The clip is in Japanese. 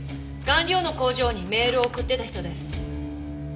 顔料の工場にメールを送っていた人です。